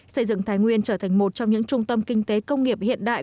xây dựng thái nguyên trở thành một trong những trung tâm kinh tế công nghiệp hiện đại